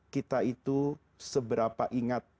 kita itu seberapa ingat